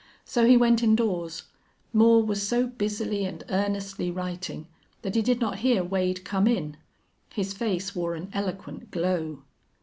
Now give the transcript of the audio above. So he went indoors. Moore was so busily and earnestly writing that he did not hear Wade come in. His face wore an eloquent glow.